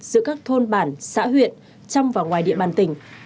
giữa các thôn bản xã huyện trong và ngoài địa bàn tỉnh